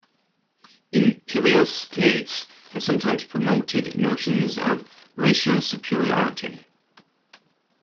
Imperial states have sometimes promoted notions of racial superiority.